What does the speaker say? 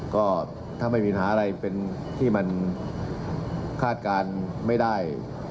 ก็ถ้าไม่มีปัญหาอะไรเป็นที่มันคาดการณ์ไม่ได้